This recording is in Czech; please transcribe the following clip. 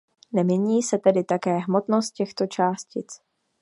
Nemění se tedy také hmotnost těchto částic.